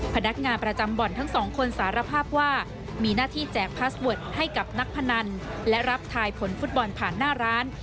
พนักงานประจำบ่อนทั้งสองคนสารภาพว่ามีหน้าที่แจกพาสเวิร์ดให้กับนักพนันและรับทายผลฟุตบอลผ่านหน้าร้าน